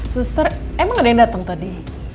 suster emang ada yang datang tadi